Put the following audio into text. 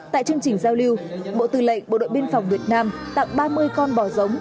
tại chương trình giao lưu bộ tư lệnh bộ đội biên phòng việt nam tặng ba mươi con bò giống